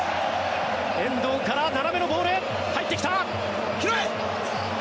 遠藤から斜めのボール入ってきた！